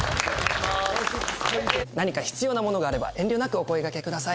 何か必要なものがあれば遠慮なくお声がけください。